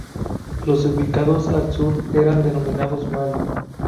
Los ubicados al sur eran denominados Man.